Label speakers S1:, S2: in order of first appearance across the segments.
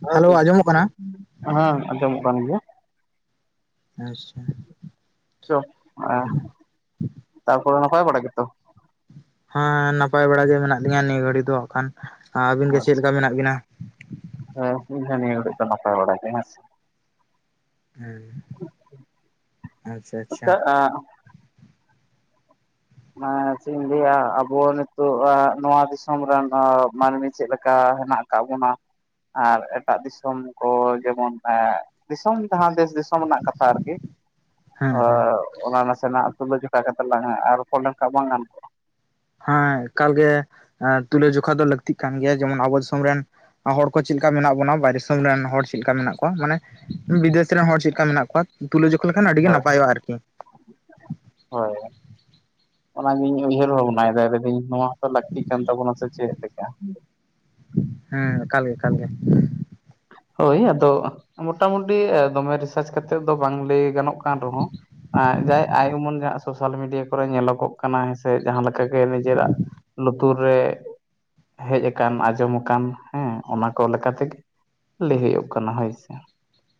S1: ᱡᱚᱦᱟᱨ
S2: ᱦᱮᱞᱳ
S1: ᱜᱮ,
S2: ᱟᱸᱡᱚᱢᱚᱜ ᱠᱟᱱᱟ
S1: ᱦᱮᱸ ᱟᱡᱚᱢᱚᱜ ᱠᱟᱱ ᱜᱮᱭᱟ᱾
S2: ᱟᱪᱪᱷᱟ᱾
S1: [unintelligible] ᱛᱟᱨᱯᱚᱨᱮ ᱱᱟᱯᱟᱭ ᱵᱟᱲᱟ ᱜᱮᱛᱚ?
S2: ᱦᱮᱸ ᱱᱟᱯᱟᱭ ᱵᱟᱲᱟ ᱜᱮ ᱢᱮᱱᱟᱜ ᱞᱤᱧᱟ ᱱᱤᱭᱟᱹ ᱜᱷᱟᱹᱲᱤᱜ ᱫᱚ ᱦᱟᱸᱜᱠᱷᱟᱱ, ᱟᱵᱤᱱ ᱜᱮ ᱪᱮᱫ
S1: ᱟᱪᱪᱷᱟ
S2: ᱞᱮᱠᱟ ᱢᱮᱱᱟᱜ ᱵᱤᱱᱟ?
S1: ᱦᱮᱸ ᱤᱧ ᱦᱚᱸ ᱱᱤᱭᱟᱹ ᱜᱷᱟᱹᱲᱤᱡ ᱱᱟᱯᱟᱭ ᱱᱟᱲᱟ ᱜᱮ ᱦᱮᱸᱥᱮ᱾
S2: ᱦᱮᱸ
S1: [inaudible] ᱟᱪᱪᱷᱟ ᱮᱸᱜ ᱚᱱᱟ ᱪᱮᱫ ᱤᱧ ᱞᱟᱹᱭᱟ ᱟᱵᱚ ᱱᱤᱛᱚᱜ ᱱᱚᱣᱟ ᱫᱤᱥᱚᱢ ᱨᱮᱱ ᱦᱚᱸ ᱢᱟᱹᱱᱢᱤ ᱪᱮᱫ ᱞᱮᱠᱟ ᱦᱮᱱᱟᱜ ᱠᱟᱜ ᱵᱚᱱᱟ ᱟᱨ ᱮᱴᱟᱜ ᱫᱤᱥᱚᱢ ᱠᱚ ᱡᱮᱢᱚᱱ ᱫᱤᱥᱚᱢ ᱡᱟᱦᱟᱸ ᱫᱮᱥ ᱫᱤᱥᱚᱢ ᱨᱮᱱᱟᱜ ᱠᱟᱛᱷᱟ ᱟᱨᱠᱤ
S2: ᱦᱮᱸ ᱦᱮᱸ
S1: [inaudible] ᱚᱱᱟ ᱱᱟᱥᱮᱱᱟᱜ ᱛᱩᱞᱟᱹᱡᱚᱠᱷᱟ ᱠᱟᱛᱮ ᱞᱟᱝ ᱟᱨ ᱨᱚᱯᱚᱲ ᱞᱮᱱᱠᱷᱟᱱ ᱵᱟᱝ ᱜᱟᱱ ᱠᱚᱜ-ᱟ?
S2: ᱦᱮᱸ ᱮᱠᱟᱞ ᱜᱮ ᱛᱩᱞᱟᱹᱡᱚᱠᱷᱟ ᱫᱚ ᱞᱟᱹᱠᱛᱤᱜ ᱠᱟᱱ ᱜᱮᱭᱟ ᱡᱮᱢᱚᱱ ᱟᱵᱚ ᱫᱤᱥᱚᱢ ᱨᱮᱱ ᱦᱚᱲ ᱠᱚ ᱪᱮᱫ ᱞᱮᱠᱟ ᱢᱮᱱᱟᱜ ᱵᱚᱱᱟ ᱵᱟᱦᱨᱮ ᱫᱤᱥᱚᱢ ᱨᱮᱱ ᱦᱚᱲ ᱪᱮᱫ ᱞᱮᱠᱟ ᱢᱮᱱᱟᱜ ᱠᱚᱣᱟ ᱢᱟᱱᱮ, ᱵᱤᱫᱮᱥ ᱨᱮᱱ ᱦᱚᱲ ᱪᱮᱫ ᱞᱮᱠᱟ ᱢᱮᱱᱟᱜ ᱠᱚᱣᱟ ᱛᱩᱞᱟᱹᱡᱚᱠᱷᱟ ᱞᱮᱠᱷᱟᱱ ᱟᱹᱰᱤ ᱜᱮ
S1: ᱦᱳᱭ
S2: ᱱᱟᱯᱟᱭᱚᱜ-ᱟ ᱟᱨᱠᱤ ᱾
S1: [inaudible] ᱦᱳᱭ᱾ ᱚᱱᱟᱜᱤᱧ ᱩᱭᱦᱟᱹᱨ ᱵᱷᱟᱵᱽᱱᱟᱭ ᱫᱟ ᱞᱟ. ᱭᱫᱟ. ᱧ ᱱᱚᱣᱟ ᱦᱚᱸᱛᱚ ᱞᱟᱹᱠᱛᱤ ᱠᱟᱱ ᱛᱟᱵᱚᱱᱟ ᱥᱮ ᱪᱮᱫ ᱞᱮᱠᱟ ᱾
S2: ᱦᱮᱸ ᱮᱠᱟᱞ ᱜᱮ ᱮᱠᱟᱞ ᱜᱮ ᱾
S1: ᱦᱳᱭ ᱟᱫᱚ ᱢᱚᱴᱟᱢᱩᱴᱤ ᱫᱚᱢᱮ ᱨᱤᱥᱟᱨᱪ ᱠᱟᱛᱮ ᱫᱚ ᱵᱟᱝ ᱞᱟᱹᱭ ᱜᱟᱱᱚᱜ ᱠᱟᱱ ᱨᱮᱦᱚᱸ ᱟᱸᱻ ᱡᱟᱭ ᱟᱭ ᱩᱢᱟᱹᱱ ᱡᱟ ᱥᱳᱥᱟᱞ ᱢᱤᱰᱤᱭᱟ ᱠᱚᱨᱮ ᱧᱮᱞᱚᱜᱚᱜ ᱠᱟᱱᱟ ᱦᱮᱸᱥᱮ ᱡᱟᱸᱦᱟ ᱞᱮᱠᱟ ᱜᱮ ᱱᱤᱡᱮᱨᱟᱜ ᱞᱩᱛᱩᱨ ᱨᱮ ᱦᱮᱡ ᱟᱠᱟᱱ ᱟᱸᱡᱚᱢ ᱟᱠᱟᱱ ᱦᱮᱸ ᱚᱱᱟ ᱠᱚ ᱞᱮᱠᱟ ᱛᱮᱜᱮ ᱞᱟᱹᱭ ᱦᱳᱭᱳᱜ ᱠᱟᱱᱟ ᱦᱳᱭ ᱥᱮ ᱾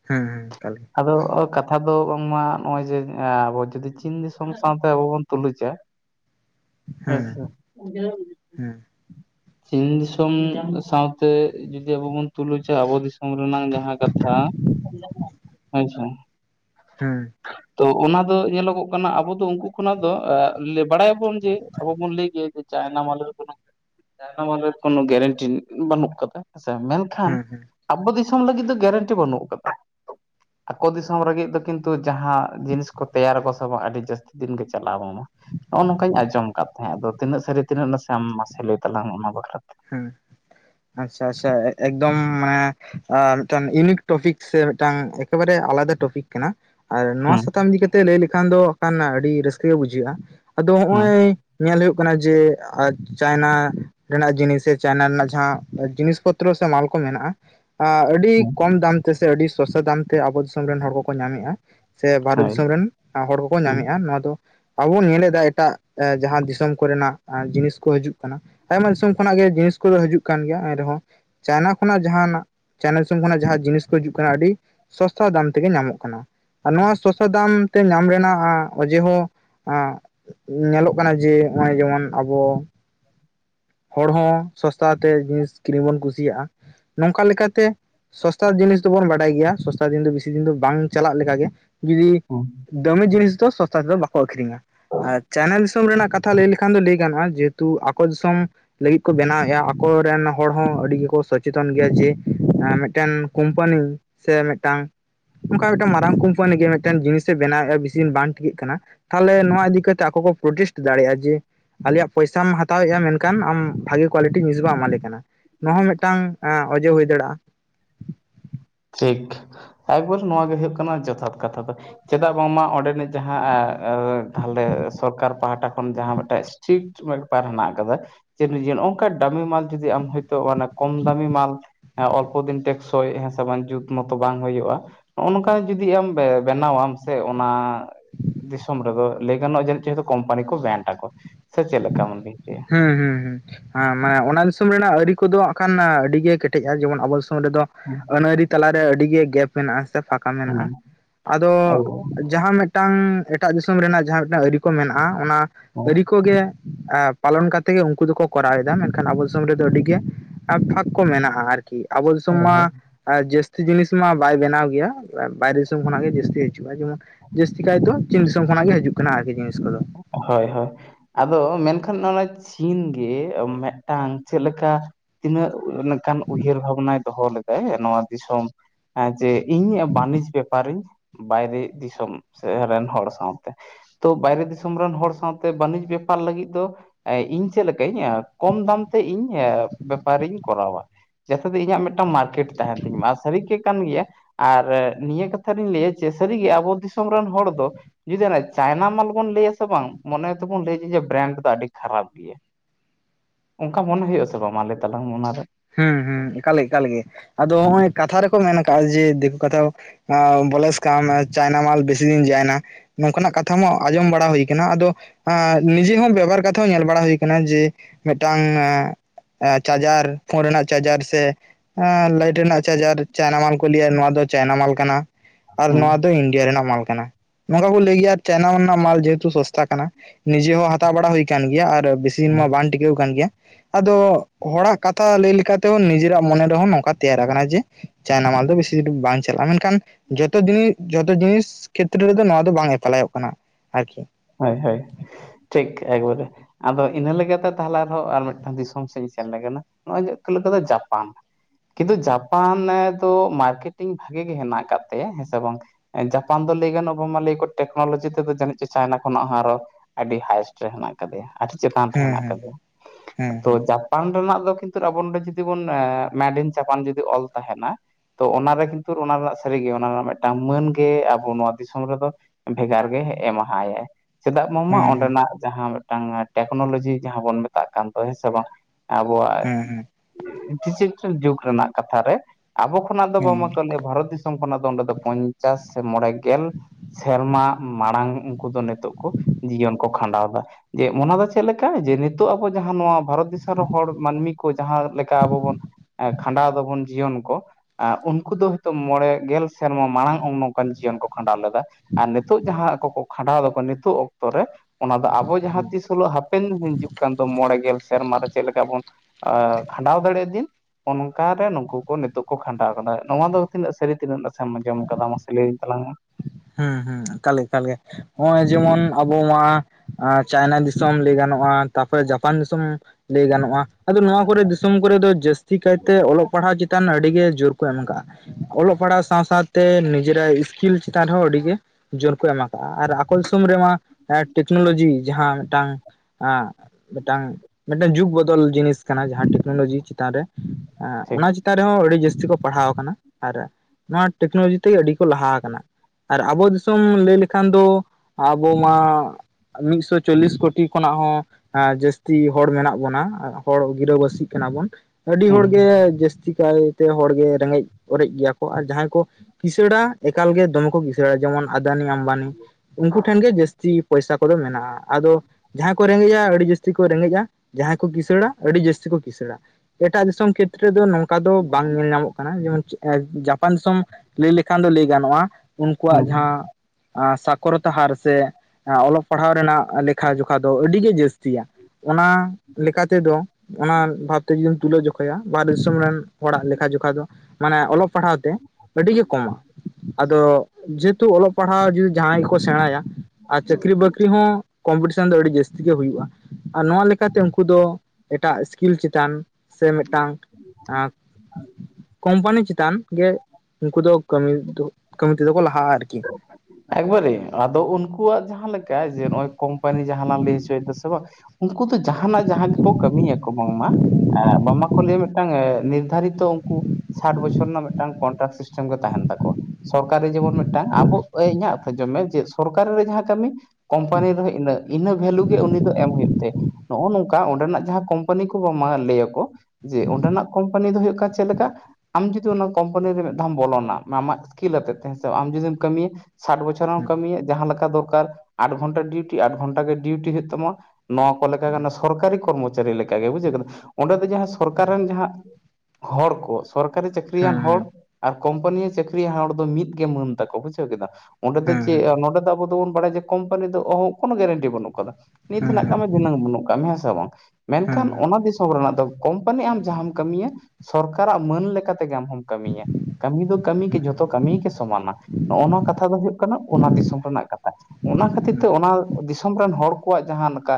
S2: ᱦᱩᱸᱻ ᱦᱩᱸ ᱮᱠᱟᱞ ᱜᱮ ᱾
S1: ᱟᱫᱚ ᱠᱟᱛᱷᱟ ᱫᱚ ᱵᱟᱝᱢᱟ ᱱᱚᱜ-ᱚᱭ ᱡᱮ ᱟᱵᱚ ᱡᱩᱫᱤ ᱪᱤᱱ ᱫᱤᱥᱚᱢ ᱥᱟᱶᱛᱮ ᱟᱵᱚ ᱵᱚᱱ ᱛᱩᱞᱩᱡᱟ
S2: ᱦᱮᱸ
S1: ᱦᱮᱸᱥᱮ [unintelligible]
S2: ᱦᱮᱸ
S1: ᱪᱤᱱᱤ ᱫᱤᱥᱚᱢ ᱥᱟᱶᱛᱮ ᱡᱩᱫᱤ ᱟᱵᱚ ᱵᱚᱱ ᱛᱩᱞᱩᱡ ᱠᱮ ᱟᱵᱚ ᱫᱤᱥᱚᱢ ᱨᱮᱱᱟᱝ ᱡᱟᱸᱦᱟ ᱠᱟᱛᱷᱟ ᱦᱳᱭ ᱥᱮ
S2: ᱦᱮᱸ
S1: ᱛᱚ ᱚᱱᱟ ᱫᱚ ᱧᱮᱞᱚᱜᱚᱜ ᱠᱟᱱᱟ ᱟᱵᱚ ᱫᱚ ᱩᱱᱠᱩ ᱠᱷᱚᱱᱟᱜ ᱫᱚ ᱞᱮ ᱵᱟᱲᱟᱭᱟ ᱵᱚᱱ ᱡᱮ ᱟᱵᱚ ᱵᱚᱱ ᱞᱟᱹᱭ ᱜᱮᱭᱟ ᱡᱮ ᱪᱟᱭᱱᱟ ᱢᱟᱞ ᱨᱮ ᱠᱳᱱᱳ ᱪᱟᱭᱱᱟ ᱢᱟᱞᱮᱨ ᱠᱳᱱᱳ ᱜᱮᱨᱮᱱᱴᱤ ᱵᱟᱹᱱᱩᱜ ᱠᱟᱫᱟ ᱦᱮᱸ ᱥᱮ ᱢᱮᱱ ᱠᱷᱟᱱ
S2: ᱦᱮᱸ ᱦᱮᱸ ᱦᱮᱸ
S1: ᱟᱵᱚ ᱫᱤᱥᱚᱢ ᱞᱟᱹᱜᱤᱫ ᱫᱚ ᱜᱮᱨᱮᱱᱴᱤ ᱵᱟᱹᱱᱩᱜ ᱠᱟᱫᱟ ᱟᱠᱚ ᱫᱤᱥᱚᱢ ᱞᱟᱹᱜᱤᱫ ᱫᱚ ᱠᱤᱱ ᱛᱩ ᱡᱟᱸᱦᱟ ᱡᱤᱱᱤᱥ ᱠᱚ ᱛᱮᱭᱟᱨᱟ ᱠᱚ ᱥᱮ ᱵᱟᱝ ᱟᱹᱰᱤ ᱡᱟᱹᱥᱛᱤ ᱫᱤᱱ ᱜᱮ ᱪᱟᱞᱟᱣ ᱟ ᱚᱱᱟ ᱱᱚᱜᱚ ᱱᱚᱝᱠᱟᱧ ᱟᱡᱚᱢ ᱠᱟᱫ ᱛᱟᱸᱦᱮᱫ ᱟᱫᱚ ᱛᱤᱱᱟᱹᱜ ᱥᱟᱹᱨᱤ ᱛᱤᱱᱟᱹᱜ ᱱᱟᱥᱮ ᱟᱢ ᱢᱟᱥᱮ ᱞᱟᱹᱭ ᱛᱟᱞᱟᱝ ᱢᱮ ᱚᱱᱟ ᱵᱟᱠᱷᱨᱟᱛᱮ᱾
S2: ᱦᱩᱸ ᱟᱪᱪᱷᱟ ᱟᱪᱪᱷᱟ ᱮᱠᱫᱚᱢ ᱢᱟᱱᱮ ᱢᱤᱫᱴᱟᱝ ᱤᱭᱩᱱᱤᱠ ᱴᱚᱯᱤᱠ ᱥᱮ ᱢᱤᱫᱴᱟᱝ ᱮᱠᱮᱵᱟᱨᱮ ᱟᱞᱟᱫᱟ ᱴᱚᱯᱷᱤᱠ ᱠᱟᱱᱟ ᱟᱨ ᱱᱚᱣᱟ
S1: ᱦᱩᱸ
S2: ᱥᱟᱛᱟᱢ ᱤᱫᱤ ᱠᱟᱛᱮᱜ ᱞᱟᱹᱭ ᱞᱮᱠᱷᱟᱱ ᱫᱚ ᱠᱷᱟᱱ ᱟᱹᱰᱤ ᱨᱟᱹᱥᱠᱟᱹ ᱜᱮ ᱵᱩᱡᱷᱟᱹᱜ-ᱟ᱾ ᱟᱫᱚ
S1: ᱦᱩᱸ
S2: ᱱᱚᱜᱼᱚᱭ ᱧᱮᱞ ᱦᱳᱭᱳᱜ ᱠᱟᱱᱟ ᱡᱮ ᱪᱟᱭᱱᱟ ᱨᱮᱱᱟᱜ ᱡᱤᱱᱤᱥ ᱥᱮ ᱪᱟᱭᱱᱟ ᱨᱮᱱᱟᱜ ᱡᱟᱸᱦᱟ ᱡᱤᱱᱤᱥ ᱯᱚᱛᱨᱚ ᱥᱮ ᱢᱟᱞ ᱠᱚ ᱢᱮᱱᱟᱜ-ᱟ ᱟᱹᱰᱤ
S1: ᱦᱩᱸ
S2: ᱠᱚᱢ ᱫᱟᱢ ᱛᱮᱥᱮ ᱟᱹᱰᱤ ᱥᱚᱥᱛᱟ ᱫᱟᱢ ᱛᱮ ᱟᱵᱚ ᱫᱤᱥᱚᱢ ᱨᱮᱱ ᱦᱚᱲ ᱠᱚᱠᱚ ᱧᱟᱢᱮᱜ-ᱟ᱾ ᱥᱮ ᱵᱷᱟᱨᱚᱛ
S1: ᱦᱳᱭ
S2: ᱫᱤᱥᱚᱢ ᱨᱮᱱ ᱦᱚᱲ ᱠᱚᱠᱚ
S1: ᱦᱩᱸ
S2: ᱧᱟᱢᱮᱜ-ᱟ ᱱᱚᱣᱟ ᱫᱚ ᱟᱵᱚ ᱵᱚᱱ ᱧᱮᱞ ᱮᱫᱟ ᱮᱴᱟᱜ ᱡᱟᱸᱦᱟ ᱫᱤᱥᱚᱢ ᱠᱚ ᱨᱮᱱᱟᱜ ᱡᱤᱱᱤᱥ ᱠᱚ ᱦᱤᱡᱩᱜ ᱠᱟᱱᱟ ᱟᱭᱢᱟ ᱫᱤᱥᱚᱢ ᱠᱷᱚᱱᱟᱜ ᱜᱮ ᱡᱤᱱᱤᱥ ᱠᱚᱫᱚ ᱦᱤᱡᱩᱜ ᱠᱟᱱ ᱜᱮᱭᱟ ᱮᱱᱨᱮᱦᱚᱸ ᱪᱟᱭᱱᱟ ᱠᱷᱚᱱᱟᱜ ᱡᱟᱸᱦᱟᱱᱟᱜ ᱪᱟᱭᱱᱟ ᱫᱤᱥᱚᱢ ᱠᱷᱚᱱᱟᱜ ᱡᱟᱸᱦᱟ ᱡᱤᱱᱤᱥ ᱠᱚ ᱦᱤᱡᱩᱜ ᱠᱟᱱᱟ ᱟᱹᱰᱤ ᱥᱚᱥᱛᱟ ᱫᱟᱢ ᱛᱮᱜᱮ ᱧᱟᱢᱚᱜ ᱠᱟᱱᱟ᱾ ᱟᱨ ᱱᱚᱣᱟ ᱥᱚᱥᱟ ᱫᱟᱢ ᱛᱮ ᱧᱟᱢ ᱨᱮᱱᱟᱜ ᱚᱡᱮ ᱦᱚᱸ ᱟ ᱧᱮᱞᱚᱜ ᱠᱟᱱᱟ ᱡᱮ ᱱᱚᱜ-ᱚᱭ ᱡᱮᱢᱚᱱ ᱟᱵᱚ ᱦᱚᱲ ᱦᱚᱸ ᱥᱚᱥᱛᱟᱛᱮ ᱡᱤᱱᱤᱥ ᱠᱤᱨᱤᱧ ᱵᱚᱱ ᱠᱩᱥᱤᱭᱟᱜ-ᱟ ᱱᱚᱝᱠᱟ ᱞᱮᱠᱟᱛᱮ ᱥᱚᱥᱛᱟ ᱡᱤᱱᱤᱥ ᱫᱚᱵᱚᱱ ᱵᱟᱰᱟᱭ ᱜᱮᱭᱟ ᱥᱚᱥᱛᱟ ᱡᱤᱱᱤᱥ ᱫᱚ ᱵᱮᱥᱤ ᱫᱤᱱ ᱫᱚ ᱵᱟᱝ ᱪᱟᱞᱟᱜ ᱞᱮᱠᱟ ᱜᱮ ᱡᱩᱫᱤ
S1: ᱚ
S2: ᱫᱟᱹᱢᱤ ᱡᱤᱱᱤᱥ ᱫᱚ ᱥᱚᱥᱛᱟ ᱛᱮᱫᱚ ᱵᱟᱠᱚ ᱟᱹᱠᱷᱨᱤᱧᱟ᱾ ᱟᱨ ᱪᱟᱭᱱᱟ ᱫᱤᱥᱚᱢ ᱨᱮᱱᱟᱜ ᱠᱟᱛᱷᱟ ᱞᱟᱹᱭ ᱞᱮᱠᱷᱟᱱ ᱫᱚ ᱞᱟᱹᱭ ᱜᱟᱱᱚᱜ-ᱟ ᱡᱮᱦᱮᱛᱩ ᱟᱠᱚ ᱫᱤᱥᱚᱢ ᱞᱟᱹᱜᱤᱫ ᱠᱚ ᱵᱮᱱᱟᱣᱮᱫ-ᱟ ᱟᱠᱚᱨᱮᱱ ᱦᱚᱲ ᱦᱚᱸ ᱟᱹᱰᱤ ᱜᱮᱠᱚ ᱥᱚᱪᱮᱛᱚᱱ ᱜᱮᱭᱟ ᱡᱮ ᱢᱮᱫᱴᱮᱱ ᱠᱳᱢᱯᱟᱱᱤ ᱥᱮ ᱢᱤᱫᱴᱟᱝ ᱚᱱᱠᱟ ᱢᱤᱫᱴᱟᱝ ᱢᱟᱨᱟᱝ ᱠᱳᱢᱯᱟᱱᱤ ᱜᱮ ᱢᱤᱫᱴᱟᱝ ᱡᱤᱱᱤᱥᱮ ᱵᱮᱱᱟᱣᱮᱫ-ᱟ ᱵᱮᱥᱤ ᱫᱤᱱ ᱵᱟᱝ ᱴᱷᱤᱠᱟᱹᱜ ᱠᱟᱱᱟ᱾ ᱛᱟᱦᱚᱞᱮ ᱱᱚᱣᱟ ᱤᱫᱤᱠᱟ ᱠᱟᱛᱮ ᱟᱠᱚ ᱠᱚ ᱯᱨᱚᱴᱮᱥᱴ ᱫᱟᱲᱮᱭᱟᱜ-ᱟ ᱡᱮ ᱟᱞᱮᱭᱟᱜ ᱯᱚᱭᱥᱟᱢ ᱦᱟᱛᱟᱣᱮᱫ-ᱟ ᱢᱮᱱ ᱠᱟᱱ ᱟᱢ ᱵᱷᱟᱜᱮ ᱠᱳᱣᱟᱞᱤᱴᱤ ᱡᱤᱱᱤᱥ ᱵᱟᱢ ᱮᱢᱟᱞᱮ ᱠᱟᱱᱟ ᱱᱚᱣᱟ ᱦᱚᱸ ᱢᱤᱫᱴᱟᱝ ᱚᱡᱮ ᱦᱩᱭ ᱫᱟᱲᱮᱭᱟᱜ-ᱟ᱾
S1: ᱴᱷᱤᱠ ᱮᱠᱵᱟᱨ ᱱᱚᱣᱟ ᱜᱮ ᱦᱩᱭᱩᱜ ᱠᱟᱱᱟ ᱡᱚᱛᱷᱟᱛ ᱠᱟᱛᱷᱟ ᱫᱚ ᱪᱮᱫᱟᱜ ᱵᱟᱝᱢᱟ ᱚᱸᱰᱮᱱᱤᱡ ᱡᱟ ᱮ ᱟᱨ ᱛᱟᱦᱚᱞᱮ ᱥᱚᱨᱠᱟᱨ ᱯᱟᱦᱴᱟ ᱠᱷᱚᱱ ᱡᱟᱸᱦᱟ ᱢᱤᱫᱴᱮᱱ ᱥᱴᱨᱤᱠ ᱵᱮᱯᱟᱨ ᱦᱮᱱᱟᱜ ᱠᱟᱫᱟ [unintelligible] ᱱᱚᱝᱠᱟ ᱫᱟᱢᱤ ᱢᱟᱞ ᱡᱩᱫᱤ ᱟᱢ ᱦᱚᱭᱛᱳ ᱚᱱᱟ ᱠᱚᱢ ᱫᱟᱹᱢᱤ ᱢᱟᱞ ᱦᱟ ᱚᱞᱯᱚ ᱫᱤᱱ ᱴᱮᱠᱥᱚᱭ ᱦᱮᱥ ᱥᱟᱵᱟᱱ ᱡᱩᱛ ᱢᱚᱛᱚ ᱵᱟᱝ ᱦᱩᱭᱩᱜ-ᱟ ᱱᱚᱜ-ᱚ ᱱᱚᱝᱠᱟ ᱡᱩᱫᱤ ᱟᱢ ᱵᱮᱱᱟᱣ ᱟᱢ ᱥᱮ ᱚᱱᱟ ᱫᱤᱥᱚᱢ ᱨᱮᱫᱚ ᱞᱟᱹᱭ ᱜᱟᱱᱚᱜ ᱡᱟᱱᱤᱪ ᱪᱚ ᱡᱚᱛᱚ ᱠᱳᱢᱯᱟᱱᱤ ᱠᱚ ᱵᱮᱱᱴ ᱟᱠᱚ ᱥᱮ ᱪᱮᱫ ᱞᱮᱠᱟᱢ ᱞᱟᱹᱭ ᱦᱚᱪᱚᱭᱮᱫ-ᱟ?
S2: ᱦᱩᱸ ᱦᱩᱸ ᱦᱩᱸ ᱢᱟᱱᱮ ᱚᱱᱟ ᱫᱤᱥᱚᱢ ᱨᱮᱱᱟᱜ ᱟᱹᱨᱤ ᱠᱚᱫᱚ ᱟᱠᱷᱟᱱ ᱟᱹᱰᱤ ᱜᱮ ᱠᱮᱴᱮᱡᱼᱟ ᱡᱮᱢᱚᱱ ᱟᱵᱚ ᱫᱤᱥ ᱥᱚᱢ ᱨᱮᱫᱚ ᱟᱹᱱ ᱟᱹᱨᱤ ᱛᱟᱞᱟᱨᱮ ᱟᱹᱰᱤ ᱜᱮ ᱜᱮᱯ ᱢᱮᱱᱟᱜᱼᱟ ᱥᱮ ᱯᱷᱟ ᱠᱟ ᱢᱮᱱᱟᱜᱼᱟ ᱟᱫᱚ ᱡᱟᱦᱟᱸ ᱢᱤᱫᱴᱟᱝ ᱮᱴᱟᱜ ᱫᱤᱥᱚᱢ ᱨᱮᱱᱟᱜ ᱡᱟᱦᱟᱸ ᱟᱹᱨᱤ ᱠᱚ ᱢᱮᱱᱟᱜᱼᱟ ᱚᱱᱟ ᱟᱹᱨᱤ ᱠᱚᱜᱮ ᱮᱯ ᱯᱟᱞᱚᱱ ᱠᱟᱛᱮᱫ ᱜᱮ ᱩᱱᱠᱩ ᱫᱚᱠᱚ ᱠᱚᱨᱟᱣ ᱮᱫᱟ ᱢᱮᱱᱠᱷᱟᱱ ᱟᱵᱚ ᱫᱤᱥᱚᱢ ᱨᱮᱫᱚ ᱟᱹᱰᱤᱜᱮ ᱵᱷᱟᱜᱽ ᱠᱚ ᱢᱮᱱᱟᱜᱼᱟ ᱟᱨ ᱠᱤ ᱟᱵᱚ ᱫᱤᱥᱚᱢ
S1: ᱦᱮᱸ ᱦᱮᱸ
S2: ᱢᱟ ᱟᱨ ᱡᱟᱹᱥᱛᱤ ᱡᱤᱱᱤᱥ ᱢᱟ ᱵᱟᱭ ᱵᱮᱱᱟᱣ ᱜᱮᱭᱟ ᱵᱟᱭᱨᱮ ᱫᱤᱥᱚᱢ ᱠᱷᱚᱱᱟᱜ ᱜᱮ ᱡᱟᱹᱥᱛᱤ ᱦᱤᱡᱩᱜᱼᱟ ᱡᱮᱢᱚᱱ ᱡᱟᱹᱥᱛᱤ ᱠᱟᱭ ᱫᱚ ᱪᱤᱱ ᱫᱤᱥᱚᱢ ᱠᱷᱚᱱᱟᱜ ᱜᱮ ᱦᱤᱡᱩᱜ ᱠᱟᱱᱟ ᱟᱨᱠᱤ ᱡᱤᱱᱤᱥ ᱠᱚᱫᱚ ᱾
S1: ᱦᱚᱭ ᱦᱚᱭ ᱾ ᱟᱫᱚ ᱢᱮᱱᱠᱷᱟᱱ ᱱᱚᱜᱚᱭ ᱪᱤᱱ ᱜᱮ ᱢᱤᱫᱴᱟᱝ ᱪᱮᱫ ᱞᱮᱠᱟ ᱛᱤᱱᱟᱹᱜ ᱞᱮᱠᱟᱱ ᱩᱭᱦᱟᱹᱨ ᱵᱷᱟᱵᱱᱟᱭ ᱫᱚᱦᱚ ᱞᱮᱫᱟᱭ ᱱᱚᱣᱟ ᱫᱤᱥᱚᱢ ᱦᱮᱸ ᱡᱮ ᱤᱧ ᱵᱟᱱᱤᱡᱽ ᱵᱮᱯᱟᱨᱤᱧ ᱵᱟᱭᱨᱮ ᱫᱤᱥᱚᱢ ᱥᱮ ᱨᱮᱱ ᱦᱚᱲ ᱥᱟᱶᱛᱮ, ᱛᱚ ᱵᱟᱭᱨᱮ ᱫᱤᱥᱚᱢ ᱫᱤᱥᱚᱢ ᱨᱮᱱ ᱦᱚᱲ ᱥᱟᱶᱛᱮ ᱵᱟᱹᱱᱤᱡᱽ ᱵᱮᱯᱟᱨ ᱞᱟᱹᱜᱤᱫ ᱫᱚ ᱤᱧ ᱪᱮᱫ ᱞᱮᱠᱟᱧ ᱠᱚᱢ ᱫᱟᱢ ᱛᱮ ᱤᱧ ᱵᱮᱯᱟᱨᱤᱧ ᱠᱚᱨᱟᱣᱟ᱾ ᱡᱟᱥᱛᱤ ᱤᱧᱟᱹᱜ ᱢᱤᱫᱴᱟᱝ ᱢᱟᱨᱠᱮᱴ ᱛᱟᱦᱮᱱ ᱛᱤᱧ ᱢᱟ ᱟᱨ ᱥᱟᱹᱨᱤ ᱜᱮ ᱠᱟᱱ ᱜᱮᱭᱟ᱾ ᱟᱨ ᱱᱤᱭᱟᱹ ᱠᱟᱛᱷᱟ ᱞᱤᱧ ᱞᱟᱹᱭᱟ ᱡᱮ ᱥᱟᱹᱨᱤᱜᱮ ᱟᱵᱚ ᱫᱤᱥᱚᱢ ᱨᱮᱱ ᱦᱚᱲ ᱫᱚ ᱡᱩᱫᱤ ᱚᱱᱮ ᱪᱟᱭᱱᱟ ᱢᱟᱞ ᱵᱚᱱ ᱞᱟᱹᱭ ᱟᱥᱮ ᱵᱟᱝ ᱢᱚᱱᱮ ᱛᱮᱵᱚᱱ ᱞᱟᱹᱭᱟ ᱡᱮ ᱵᱮᱨᱮᱱᱰ ᱫᱚ ᱟᱹᱰᱤ ᱠᱷᱟᱨᱟᱯ ᱜᱮᱭᱟ᱾ ᱚᱱᱠᱟ ᱢᱚᱱᱮ ᱦᱩᱭᱩᱜ ᱟᱥᱮ ᱵᱟᱝ ᱢᱟ ᱞᱟᱹᱭ ᱛᱟᱞᱟᱝ ᱢᱮ ᱚᱱᱟᱨᱮ᱾
S2: ᱦᱩᱸ ᱦᱩᱸ ᱮᱠᱟᱞ ᱮᱠᱟᱞᱜᱮ ᱟᱫᱚ ᱱᱚᱜ-ᱚᱭ ᱠᱟᱛᱷᱟ ᱨᱮᱠᱚ ᱢᱮᱱ ᱟᱠᱟᱜ-ᱟ ᱡᱮ ᱫᱤᱠᱩ ᱠᱟᱛᱷᱟ ᱟᱸ ᱵᱚᱞᱮ ᱪᱟᱭᱱᱟ ᱢᱟᱞ ᱵᱮᱥᱤ ᱫᱤᱱ ᱡᱟᱭᱱᱟ ᱱᱚᱝᱠᱟᱱᱟᱜ ᱠᱟᱛᱷᱟ ᱢᱟ ᱟᱸᱡᱚᱢ ᱵᱟᱲᱟ ᱦᱩᱭ ᱟᱠᱟᱱᱟ, ᱟᱫᱚ ᱱᱤᱡᱮ ᱦᱚᱸ ᱵᱮᱵᱟᱨ ᱠᱟᱛᱮ ᱛᱮ ᱦᱚᱸ ᱧᱮᱞ ᱵᱟᱲᱟ ᱦᱩᱭᱳ ᱟᱠᱟᱱᱟ ᱡᱮ ᱢᱤᱫᱴᱟᱝ ᱪᱟᱨᱡᱟᱨ ᱯᱷᱳᱱ ᱨᱮᱱᱟᱜ ᱪᱟᱨᱡᱟᱨ ᱥᱮ ᱞᱟᱭᱤᱴ ᱨᱮᱱᱟᱜ ᱪᱟᱨᱡᱟᱨ ᱪᱟᱭᱱᱟ ᱢᱟᱞ ᱠᱚ ᱞᱟᱹᱭᱟ ᱱᱚᱣᱟ ᱫᱚ ᱪᱟᱭᱱᱟ ᱢᱟᱞ ᱠᱟᱱᱟ᱾ ᱟᱨ
S1: ᱦᱩᱸ
S2: ᱱᱚᱣᱟ ᱫᱚ ᱤᱱᱰᱤᱭᱟ ᱨᱮᱱᱟᱜ ᱢᱟᱞ ᱠᱟᱱᱟ᱾ ᱱᱚᱝᱠᱟ ᱠᱚ ᱞᱟᱹᱭ ᱜᱮᱭᱟ ᱟᱨ ᱪᱟᱭᱱᱟ ᱨᱮᱱᱟᱜ ᱢᱟᱞ ᱡᱮᱦᱮᱛᱩ ᱥᱚᱥᱛᱟ ᱠᱟᱱᱟ ᱱᱤᱡᱮ ᱦᱚᱸ ᱦᱟᱛᱟᱣ ᱵᱟᱲᱟ ᱦᱩᱭ ᱠᱟᱱ ᱜᱮᱭᱟ, ᱟᱨ ᱵᱤᱥ ᱫᱤᱱ ᱢᱟ ᱵᱟᱝ ᱴᱤᱠᱟᱹᱣ ᱟᱠᱟᱱ ᱜᱮᱭᱟ, ᱟᱫᱚ ᱦᱚᱲᱟᱜ ᱠᱟᱛᱷᱟ ᱞᱟᱹᱭ ᱞᱮᱠᱟ ᱛᱮᱦᱚᱸ ᱱᱤᱡᱮᱨᱟᱜ ᱢᱚᱱᱮ ᱨᱮᱦᱚᱸ ᱱᱚᱝᱠᱟ ᱛᱮᱭᱟᱨ ᱟᱠᱟᱱᱟ ᱡᱮ ᱪᱟᱭᱱᱟ ᱢᱟᱞ ᱫᱚ ᱵᱮᱥᱤ ᱫᱤᱱ ᱵᱟᱝ ᱪᱟᱞᱟᱜ-ᱟ ᱢᱮᱱᱠᱷᱟᱱ ᱡᱚᱛᱚ ᱫᱤᱱᱤᱥ ᱡᱚᱛᱚ ᱡᱤᱱᱤᱥ ᱠᱷᱮᱛᱮᱨᱮ ᱨᱮᱫᱚ ᱱᱚᱣᱟ ᱫᱚ ᱵᱟᱝ ᱮᱯᱞᱟᱭᱚᱜ ᱠᱟᱱᱟ ᱟᱨᱠᱤ᱾
S1: ᱦᱳᱭ ᱦᱳᱭ ᱴᱷᱤᱠ ᱮᱠᱵᱟᱨᱮ᱾ ᱟᱫᱚ ᱤᱱᱟᱹ ᱞᱮᱠᱟᱛᱮ ᱛᱟᱦᱚᱞᱮ ᱟᱨᱦᱚᱸ ᱟᱨ ᱢᱤᱫᱴᱟᱝ ᱫᱤᱥᱚᱢ ᱥᱮᱫ ᱤᱧ ᱥᱮᱱ ᱞᱮᱱᱜᱮ ᱤᱱᱟᱹ ᱞᱮᱠᱟᱛᱮ ᱫᱚ ᱡᱟᱯᱟᱱ ᱠᱤᱱᱛᱩ ᱡᱟᱯᱟᱱ ᱫᱚ ᱢᱟᱨᱠᱮᱴᱤᱝ ᱵᱷᱟᱜᱮ ᱜᱮ ᱦᱮᱱᱟᱜ ᱟᱠᱟᱫ ᱛᱟᱭᱟ ᱦᱮᱸ ᱥᱮ ᱵᱟᱝ᱾ ᱡᱟᱯᱟᱱ ᱫᱚ ᱞᱟᱹᱭ ᱜᱟᱱᱚᱜ-ᱟ ᱵᱟᱝ ᱢᱟ ᱞᱟᱹᱭ ᱟᱠᱚ ᱴᱮᱠᱱᱳᱞᱚᱡᱤ ᱛᱮᱫᱚ ᱡᱟᱹᱱᱤᱡ ᱪᱚ ᱪᱟᱭᱱᱟ ᱠᱷᱚᱱᱟᱜ ᱦᱚᱸ ᱟᱨᱚ ᱟᱹᱰᱤ ᱦᱟᱭᱮᱥᱴ᱾ ᱨᱮ ᱦᱮᱱᱟᱜ ᱟᱠᱟᱫᱮᱭᱟ ᱟᱹᱰᱤ ᱪᱮᱛᱟᱱ ᱨᱮ
S2: ᱦᱮᱸ
S1: ᱦᱮᱱᱟᱜ
S2: ᱦᱮᱸ
S1: ᱟᱠᱟᱫᱮᱭᱟ,
S2: ᱦᱮᱸ
S1: ᱛᱚ
S2: ᱦᱮᱸ
S1: ᱡᱟᱯ ᱡᱟᱯᱟᱱ ᱨᱮᱱᱟᱜ ᱫᱚ ᱠᱤᱱᱛᱩ ᱟᱵᱚ ᱱᱚᱰᱮ ᱡᱩᱫᱤ ᱵᱚᱱ ᱢᱮᱰ ᱤᱱ ᱪᱟᱯᱟᱱ ᱡᱩᱫᱤ ᱚᱞ ᱛᱟᱦᱮᱱᱟ ᱛᱚ ᱚᱱᱟᱨᱮ ᱠᱤᱱᱛᱩ ᱚᱱᱟ ᱨᱮᱱᱟᱜ ᱥᱟᱹᱨᱤᱜᱮ ᱚᱱᱟ ᱨᱮᱱᱟᱜ ᱢᱤᱫᱴᱟᱝ ᱢᱟᱹᱱ ᱜᱮ ᱟᱵᱚ ᱱᱚᱣᱟ ᱫᱤᱥᱚᱢ ᱨᱮᱫᱚ ᱵᱷᱮᱜᱟᱨ ᱜᱮ ᱮᱢᱟᱦᱟᱭᱟᱭ ᱪᱮᱫᱟᱜ ᱵᱟᱝᱢᱟ
S2: ᱦᱮᱸ
S1: ᱚᱸᱰᱮᱱᱟᱜ ᱡᱟᱦᱟᱸ ᱢᱤᱫᱴᱟᱝ ᱴᱮᱠᱱᱳᱞᱚᱡᱤ ᱡᱟᱦᱟᱸ ᱵᱚᱱ ᱢᱮᱛᱟᱜ ᱠᱟᱱ ᱫᱚ ᱦᱮᱸ ᱥᱮ ᱵᱟᱝ ᱟᱵᱚᱣᱟᱜ
S2: ᱦᱮᱸ ᱦᱮᱸ
S1: ᱰᱤᱡᱤᱴᱮᱞ ᱡᱩᱜᱽ ᱨᱮᱱᱟᱜ ᱠᱟᱛᱷᱟ ᱨᱮ ᱟᱵᱚ ᱠᱷᱚᱱᱟᱜ ᱫᱚ
S2: ᱦᱮᱸ
S1: ᱵᱟᱝ ᱢᱟᱠᱚ ᱞᱮᱭᱟ ᱵᱷᱟᱨᱚᱛ ᱫᱤᱥᱚᱢ ᱫᱤᱥᱚᱢ ᱠᱷᱚᱱᱟᱜ ᱫᱚ ᱚᱸᱰᱮ ᱫᱚ ᱯᱚᱧᱪᱟᱥ ᱥᱮ ᱢᱚᱬᱮ ᱜᱮᱞ ᱥᱮᱨᱢᱟ ᱢᱟᱲᱟᱝ ᱩᱱᱠᱩ ᱫᱚ ᱱᱤᱛᱚᱜ ᱠᱚ ᱡᱤᱭᱚᱱ ᱠᱚ ᱠᱷᱟᱸᱰᱟᱣ ᱮᱫᱟ ᱡᱮ ᱚᱱᱟ ᱫᱚ ᱪᱮᱫ ᱞᱮᱠᱟ ᱡᱮ ᱱᱤᱛᱚᱜ ᱟᱵᱚ ᱡᱟᱦᱟᱸ ᱱᱚᱣᱟ ᱵᱷᱟᱨᱚᱛ ᱫᱤᱥᱚᱢ ᱨᱮᱱ ᱦᱚᱲ ᱢᱟᱹᱱᱢᱤ ᱠᱚ ᱡᱟᱦᱟᱸ ᱞᱮᱠᱟ ᱟᱵᱚ ᱵᱚᱱ ᱠᱷᱟᱸᱰᱟᱣ ᱫᱟᱵᱚᱱ ᱡᱤᱭᱚᱱ ᱠᱚ ᱩᱱᱠᱩ ᱫᱚ ᱱᱤᱛᱳᱝ ᱢᱚᱬᱮ ᱜᱮᱞ ᱥᱮᱨᱢᱟ ᱢᱟᱲᱟᱝᱢ ᱱᱚᱝᱠᱟᱱ ᱡᱤᱭᱚᱱ ᱠᱚ ᱠᱷᱟᱸᱰᱟᱣ ᱞᱮᱫᱟ᱾ ᱟᱨ ᱱᱤᱛᱚᱜ ᱡᱟᱦᱟᱸ ᱠᱚᱠᱚ ᱠᱷᱟᱸᱰᱟᱣ ᱫᱟᱠᱚ ᱱᱤᱛᱚᱜ ᱚᱠᱛᱚ ᱨᱮ ᱚᱱᱟ ᱫᱚ ᱟᱵᱚ
S2: ᱦᱮᱸ
S1: ᱡᱟᱦᱟᱸ ᱛᱤᱥ ᱦᱤᱞᱳᱜ ᱦᱟᱯ ᱦᱟᱯᱮᱱ ᱫᱤᱱ ᱦᱤᱡᱩᱜ ᱠᱟᱱ ᱫᱚ ᱢᱚᱬᱮ ᱜᱮᱞ ᱥᱮᱨᱢᱟ ᱨᱮ ᱪᱮᱫ ᱞᱮᱠᱟ ᱵᱚᱱ ᱠᱷᱟᱸᱰᱟᱣ ᱫᱟᱲᱮᱭᱟ ᱫᱤᱱ ᱚᱱᱠᱟ ᱨᱮ ᱱᱩᱠᱩ ᱠᱚ ᱱᱤᱛᱚᱜ ᱠᱚ ᱠᱷᱟᱸᱰᱟᱣ ᱠᱟᱫᱟ ᱱᱚᱣᱟ ᱫᱚ ᱛᱤᱱᱟᱹᱜ ᱥᱟᱹᱨᱤ ᱛᱤᱱᱟᱹᱜ ᱱᱟᱥᱮᱢ ᱟᱸᱡᱚᱢ ᱟᱠᱟᱫᱟ ᱢᱟᱥᱮ ᱞᱟᱹᱭᱟᱧ ᱛᱟᱞᱟᱝ ᱢᱮ?
S2: ᱦᱮᱸ ᱦᱮᱸ ᱮᱠᱟᱞ ᱮᱠᱟᱞ ᱜᱮ ᱱᱚ-ᱚᱭ ᱡᱮᱢᱚᱱ ᱟᱵᱚ ᱱᱚᱣᱟ ᱪᱟᱭᱱᱟ ᱫᱤᱥᱚᱢ ᱞᱟᱹᱭ ᱜᱟᱱᱚᱜ-ᱟ ᱛᱟᱯᱚᱨᱮ ᱡᱟᱯᱟᱱ ᱫᱤᱥᱚᱢ ᱞᱟᱹᱭ ᱜᱟᱱᱚᱜ-ᱟ᱾ ᱟᱫᱚ ᱱᱚᱣᱟ ᱠᱚᱨᱮ ᱫᱤᱥᱚᱢ ᱠᱚᱨᱮ ᱫᱚ ᱡᱟᱹᱥᱛᱤ ᱠᱟᱭᱛᱮ ᱚᱞᱚᱜ ᱯᱟᱲᱦᱟᱣ ᱪᱮᱛᱟᱱ ᱟᱹᱰᱤᱜᱮ ᱡᱳᱨ ᱠᱚ ᱮᱢ ᱠᱟᱜ-ᱟ᱾ ᱚᱞᱚᱜ ᱯᱟᱲᱦᱟᱣ ᱥᱟᱶ ᱥᱟᱶᱛᱮ ᱱᱤᱡᱮᱨᱟᱜ ᱤᱥᱠᱤᱞ ᱪᱮᱛᱟᱱ ᱨᱮᱦᱚᱸ ᱟᱹᱰᱤᱜᱮ ᱡᱳᱨ ᱠᱚ ᱮᱢᱟ ᱠᱚᱣᱟ ᱟᱨ ᱟᱠᱚ ᱫᱤᱥᱚᱢ ᱨᱮᱢᱟ ᱴᱮᱠᱱᱳᱞᱚᱡᱤ ᱡᱟᱦᱟᱸ ᱢᱤᱫᱴᱟᱝ ᱟᱸ, ᱢᱮᱫᱴᱟᱝ, ᱢᱮᱫᱴᱮᱱ ᱡᱩᱜᱽ ᱵᱚᱫᱚᱞ ᱡᱤᱱᱤᱥ ᱠᱟᱱᱟ ᱡᱟᱦᱟᱸ ᱴᱮᱠᱱᱳᱞᱚᱡᱤ ᱪᱤᱛᱟᱱ ᱨᱮ ᱮᱸ
S1: ᱴᱷᱤᱠ
S2: ᱚᱱᱟ ᱪᱮᱛᱟᱱ ᱨᱮᱦᱚᱸ ᱟᱹᱰᱤ ᱡᱟᱹᱥᱛᱤ ᱠᱚ ᱯᱟᱲᱦᱟᱣ ᱠᱟᱱᱟ ᱟᱨ ᱱᱚᱣᱟ ᱴᱮᱠᱱᱳᱞᱚᱡᱤ ᱛᱮ ᱜᱮ ᱟᱹᱰᱤ ᱠᱚ ᱞᱟᱦᱟ ᱠᱟᱱᱟ᱾ ᱟᱨ ᱟᱵᱚ ᱫᱤᱥᱚᱢ ᱞᱟᱹᱭ ᱞᱮᱠᱷᱟᱱ ᱫᱚ ᱟᱵᱚ ᱢᱟ, ᱢᱤᱫᱥᱚ ᱪᱚᱞᱞᱤᱥ ᱠᱳᱴᱤ ᱠᱷᱚᱱᱟᱜ ᱦᱚᱸ, ᱮ ᱡᱟᱹᱥᱛᱤ ᱦᱚᱲ ᱢᱮᱱᱟᱜ ᱵᱚᱱᱟ ᱦᱚᱲ ᱜᱤᱨᱟᱹ ᱵᱟᱹᱥᱤᱜ ᱠᱟᱱᱟ ᱵᱚᱱ ᱾ ᱟᱹᱰᱤ
S1: ᱦᱩᱸ
S2: ᱦᱚᱲ ᱜᱮ ᱡᱟᱹᱥᱛᱤ ᱠᱟᱭᱛᱮ ᱦᱚᱲ ᱜᱮ ᱨᱮᱸᱜᱮᱡ ᱚᱨᱮᱡ ᱜᱮᱭᱟ ᱠᱚ ᱟᱨ ᱡᱟᱦᱟᱸᱭ ᱠᱚ, ᱠᱤᱥᱟᱹᱲᱟ ᱮᱠᱟᱞ ᱜᱮ ᱫᱚᱢᱮ ᱠᱚ ᱠᱤᱥᱟᱹᱲᱟ, ᱡᱮᱢᱚᱱ ᱟᱫᱟᱱᱤ ᱟᱢᱵᱟᱱᱤ ᱩᱱᱠᱩ ᱴᱷᱮᱱ ᱜᱮ ᱡᱟᱹᱥᱛᱤ ᱯᱚᱭᱥᱟ ᱾ ᱠᱚᱫᱚ ᱢᱮᱱᱟᱜᱼᱟ, ᱟᱫᱚ ᱡᱟᱦᱟᱸᱭ ᱠᱚ ᱨᱮᱸᱜᱮᱡᱼᱟ ᱟᱹᱰᱤ ᱡᱟᱹᱥ ᱡᱟᱹᱥᱛᱤ ᱠᱚ ᱨᱮᱸᱜᱮᱡᱼᱟ ᱡᱟᱦᱟᱸᱭ ᱠᱚ ᱠᱤᱥᱟᱹᱲᱟ ᱟᱹᱰᱤ ᱡᱟᱹᱥᱛᱤ ᱠᱚ ᱠᱤᱥᱟᱹᱲᱟ, ᱮᱴᱟᱜ ᱫᱤᱥᱚᱢ ᱠᱷᱮ ᱛᱛᱨᱮ ᱫᱚ ᱱᱚᱝᱠᱟ ᱫᱚ ᱵᱟᱝ ᱧᱮᱞ ᱧᱟᱢᱚᱜ ᱠᱟᱱᱟ ᱡᱮᱢᱚᱱ ᱡᱟᱯᱟᱱ ᱫᱤᱥᱚᱢ ᱞᱟᱹᱭ ᱞᱮᱠᱷᱟᱱ ᱫᱚ ᱞᱟᱹᱭ ᱜᱟᱱᱚᱜᱼᱟ᱾
S1: ᱦᱩᱸ
S2: ᱩᱱᱠᱩᱣᱟᱜ ᱡᱟᱦᱟᱸ ᱥᱟᱠᱷᱚᱨᱚᱛᱟ ᱦᱟᱨ ᱥᱮ, ᱚᱞᱚᱜ ᱯᱟᱲᱦᱟᱣ ᱨᱮᱱᱟᱜ ᱞᱮᱠᱷᱟ ᱡᱚᱠᱷᱟ ᱫᱚ ᱟᱹᱰᱤ ᱜᱮ ᱡᱟᱹᱥᱛᱤᱭᱟ ᱚᱱᱟ ᱞᱮᱠᱟ ᱛᱮ ᱫᱚ, ᱚᱱᱟ ᱵᱷᱟᱵᱽᱛᱮ ᱡᱩᱫᱤᱢ ᱛᱩᱞᱟᱹ ᱡᱚᱠᱷᱟᱭᱟ ᱵᱟᱦᱮᱨᱮ ᱫᱤᱥᱚᱢ ᱨᱮᱱ ᱦᱚᱲᱟᱜ ᱞᱮᱠᱷᱟ ᱡᱚᱠᱷᱟ ᱫᱚ, ᱢᱟᱱᱮ ᱚᱞᱚᱜ ᱯᱟᱲᱦᱟᱣ ᱛᱮ ᱟᱹᱰᱤ ᱜᱮ ᱠᱚᱢᱟ, ᱟᱫᱚ ᱡᱮᱦᱮᱛᱩ ᱚᱞᱚᱜ ᱯᱟᱲᱦᱟᱜ ᱡᱩᱫᱤ ᱡᱟᱦᱟᱸᱭ ᱜᱮᱠᱚ ᱥᱮᱬᱟᱭᱟ ᱟᱨ ᱪᱟᱹᱠᱷᱨᱤ ᱵᱟᱹᱠᱷ ᱠᱤ ᱦᱚᱸ ᱠᱚᱢᱯᱤᱴᱤᱥᱮᱱ ᱫᱚ ᱟᱹᱰᱤ ᱡᱟᱹᱥᱛᱤ ᱜᱮ ᱦᱩᱭᱩᱜᱼᱟ ᱟᱨ ᱱᱚᱣᱟ ᱞᱮᱠᱟ ᱛᱮ ᱩᱱᱠᱩ ᱫᱚ, ᱮᱴᱟᱜ ᱤᱥᱠᱤᱞ ᱪᱤᱛᱟᱱ ᱥᱮ ᱢᱤᱫᱴᱟᱝ ᱠᱳᱢᱯᱟᱱᱤ ᱪᱮᱛᱟᱱ, ᱜᱮ ᱩᱱᱠᱩ ᱫᱚ ᱠᱟᱹᱢᱤ ᱫᱚ, ᱛᱮ ᱫᱚ ᱠᱚ ᱞᱟᱦᱟᱼᱟ ᱟᱨᱠᱤ,
S1: [unintelligible] ᱮᱠᱵᱟᱨᱮ, ᱟᱫᱚ ᱩᱱᱠᱩᱣᱟᱜ ᱡᱟᱦᱟᱸ ᱞᱮᱠᱟ ᱡᱮ ᱱᱚᱜ-ᱚᱭ ᱠᱳᱢᱯᱟᱱᱤ ᱡᱟᱦᱟᱸ ᱞᱟᱝ ᱞᱟᱹᱭ ᱦᱚᱪᱚᱭᱮᱫᱟ ᱥᱮ ᱵᱟᱝ? ᱩᱱᱠᱩ ᱫᱚ ᱡᱟᱦᱟᱱᱟᱜ ᱡᱟᱦᱟᱸ ᱜᱮ ᱠᱚ ᱠᱟᱹᱢᱤᱭᱟ ᱠᱚ ᱵᱟᱝᱢᱟ, ᱟᱸᱻ ᱵᱟᱝᱢᱟ ᱠᱚ ᱞᱮᱭᱟ ᱢᱤᱫᱴᱟᱝ ᱮ ᱱᱤᱨᱫᱷᱟᱨᱤᱛᱚ ᱩᱱᱠᱩ, ᱥᱟᱴ ᱵᱚᱪᱷᱚᱨ ᱨᱮᱱᱟᱜ ᱢᱮᱫᱴᱟᱝ ᱠᱚᱱᱴᱨᱟᱠᱴ ᱥᱤᱥᱴᱮᱢ ᱜᱮ ᱛᱟᱦᱮᱱ ᱛᱟᱠᱚᱣᱟ, ᱥᱚᱨᱠᱟᱨᱤ ᱡᱮᱢᱚᱱ ᱢᱮᱫ ᱴᱟᱝ, ᱟᱵᱚ ᱟᱹᱭ ᱤᱧᱟᱜ ᱠᱷᱚᱡᱚᱜ ᱢᱮ ᱡᱮ ᱥᱚᱨᱠᱟᱨᱤ ᱨᱮ ᱡᱟᱦᱟᱸ ᱠᱟᱹᱢᱤ, ᱠᱳᱢᱯᱟᱱᱤ ᱨᱮ ᱦᱚᱸ ᱤᱱᱟᱹ ᱤᱱᱟᱹ ᱵᱷᱮᱞᱩ ᱜᱮ ᱩᱱᱤ ᱫᱚ ᱮᱢ ᱦᱩᱭᱩᱜ ᱛᱟᱭᱟ ᱾ ᱱᱚᱜᱼᱚ ᱱᱚᱝᱠᱟ ᱚᱸᱰᱮᱱᱟᱜ ᱡᱟᱦᱟᱸ ᱠᱳᱢᱯᱟᱱᱤ ᱠᱚ ᱵᱟᱝ ᱢᱟ ᱞᱟᱹᱭᱟ ᱠᱚ, ᱡᱮ, ᱚᱸᱰᱮᱱᱟᱜ ᱠᱳᱢᱯᱟᱱᱤ ᱫᱚ ᱦᱳᱭᱳᱜ ᱠᱟᱱᱟ ᱪᱮᱜ ᱞᱮᱠᱟ, ᱟᱢ ᱡᱩᱫᱤ ᱚᱱᱟ ᱠᱳᱢᱯᱟᱱᱤ ᱨᱮ ᱢᱮᱫ ᱫᱷᱟᱣᱢ ᱵᱚᱞᱚᱱᱟ ᱟᱢᱟᱜ ᱤᱥᱠᱤᱞ ᱟᱛᱮ ᱛᱮ ᱦᱮᱸᱥᱮ? ᱡᱩᱫᱤᱢ ᱠᱟᱹᱢᱤᱭᱟ, ᱥᱟᱴ ᱵᱚᱪᱷᱚᱨ
S2: ᱦᱮᱸ
S1: ᱦᱚᱸᱢ ᱠᱟᱹᱢᱤᱭᱟ ᱡᱟᱦᱟᱸ ᱞᱮᱠᱟ ᱫᱚᱨᱠᱟᱨ, ᱟᱴ ᱜᱷᱚᱱᱴᱟ ᱰᱤᱭᱩᱴᱤ, ᱟᱴ ᱜᱷᱚᱱᱴᱟ ᱜᱮ ᱰᱤᱭᱩᱴᱤ ᱦᱩᱭᱩᱜ ᱛᱟᱢᱟ ᱱᱚᱣᱟ ᱠᱚ ᱞᱮᱠᱟ ᱜᱮ ᱥᱚᱨᱠᱟᱨᱤ ᱠᱚᱨᱢᱚᱪᱟᱨᱤ ᱞᱮᱠᱟ ᱜᱮ ᱵᱩᱡᱷᱟᱹᱣ ᱠᱮᱫᱟ, ᱚᱸᱰᱮ ᱫᱚ ᱡᱟᱦᱟᱸ ᱥᱚᱨᱠᱟᱨ ᱨᱮᱱ ᱡᱟᱦᱟᱸ ᱦᱚᱲ ᱠᱚ ᱥᱚᱨᱠᱟᱨᱤ ᱪᱟᱹᱠᱷᱨᱤᱭᱟᱱ ᱦᱚᱲ ᱟᱨ ᱠᱳᱢᱯᱟᱹᱱᱤᱭᱟᱹ ᱪᱟᱹᱠᱷᱨᱤᱭᱟᱱ ᱦᱚᱲ ᱫᱚ ᱢᱤᱫ ᱜᱮ ᱢᱟᱹᱱ ᱛᱟᱠᱚ ᱵᱩᱡᱷᱟᱣ ᱠᱮᱫᱟᱢ ᱾ ᱚᱸᱰᱮ ᱫᱚ ᱪᱮᱜ ᱱᱚᱸᱰᱮ ᱫᱚ ᱟᱵᱚ ᱫᱚᱵᱚᱱ ᱵᱟᱲᱟᱭᱟ ᱡᱮ ᱠᱳᱢᱯᱟᱱᱤ ᱫᱚ ᱚᱦᱚ ᱠᱳᱱᱳ ᱜᱮᱨᱮᱱᱴᱤ ᱵᱟᱹᱱᱩᱜ ᱠᱟᱫᱟ, ᱱᱤᱛ ᱦᱮᱱᱟᱜ ᱠᱟᱜ ᱢᱮ ᱫᱷᱤᱱᱟᱹᱝ ᱵᱟᱹᱱᱩᱜ ᱠᱟᱜ ᱢᱮᱭᱟ ᱦᱮᱸ ᱥᱮ ᱵᱟᱝ? ᱢᱮᱱᱠᱷᱟᱱ ᱚᱱᱟ ᱫᱤᱥᱚᱢ ᱨᱮᱱᱟᱜ ᱫᱚ ᱠᱳᱢᱯᱟᱱᱤ ᱟᱢ ᱡᱟᱦᱟᱸᱢ ᱠᱟᱹᱢᱤᱭᱟ, ᱥᱚᱨᱠᱟᱨᱟᱜ ᱢᱟᱹᱱ ᱞᱮᱠᱟ ᱛᱮᱜᱮ ᱟᱢ ᱦᱚᱢ ᱠᱟᱹᱢᱤᱭᱟ, ᱠᱟᱹᱢᱤ ᱫᱚ ᱠᱟᱹᱢᱤ ᱜᱮ ᱡᱷᱚᱛᱚ ᱠᱟᱹᱢᱤ ᱜᱮ ᱥᱚᱢᱟᱱᱟ᱾ ᱱᱚᱜᱼᱚ ᱱᱚᱣᱟ ᱠᱟᱛᱷᱟ ᱫᱚ ᱦᱳᱭᱳᱜ ᱠᱟᱱᱟ ᱚᱱᱟ ᱫᱤᱥᱚᱢ ᱨᱮᱱᱟᱜ ᱠᱟᱛᱷᱟ ᱾ ᱚᱱᱟ ᱠᱷᱟᱹᱛᱤᱨᱛᱮ ᱚᱱᱟ ᱫᱤᱥᱚᱢ ᱨᱮᱱ ᱦᱚᱲ ᱠᱚᱣᱟᱜ ᱡᱟᱦᱟᱸ ᱞᱮᱠᱟ,